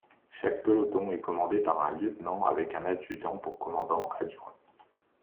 Chaque peloton est commandé par un lieutenant avec un adjudant pour commandant adjoint.